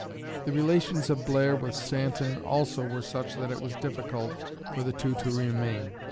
The relations of Blair with Stanton also were such that it was difficult for the two to remain."